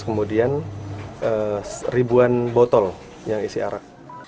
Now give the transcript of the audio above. kemudian ribuan botol yang isi arak